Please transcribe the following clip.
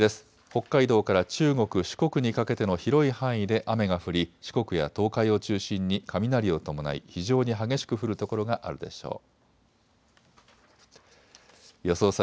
北海道から中国、四国にかけての広い範囲で雨が降り四国や東海を中心に雷を伴い非常に激しく降る所があるでしょう。